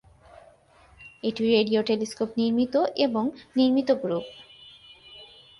এটি radio telescope নির্মিত এবং নির্মিত গ্রুপ।